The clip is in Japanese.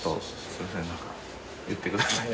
言ってください。